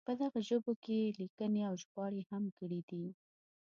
په دغو ژبو کې یې لیکنې او ژباړې هم کړې دي.